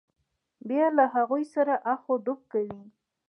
بیا له هغوی سره اخ و ډب کوي.